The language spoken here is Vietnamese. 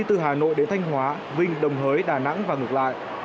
từ hà nội đến thanh hóa vinh đồng hới đà nẵng và ngược lại